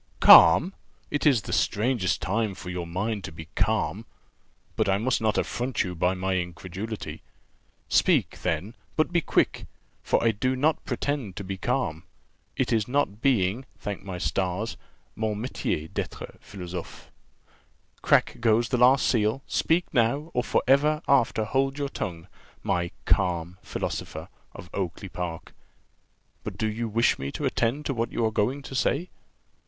"Calm! It is the strangest time for your mind to be calm. But I must not affront you by my incredulity. Speak, then, but be quick, for I do not pretend to be calm; it not being, thank my stars, 'mon métier d'être philosophe.' Crack goes the last seal speak now, or for ever after hold your tongue, my _calm philosopher _of Oakly park: but do you wish me to attend to what you are going to say?"